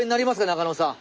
中野さん。